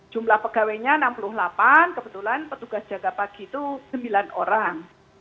jumlah pegawainya enam puluh delapan kebetulan petugas jaga pagi itu sembilan orang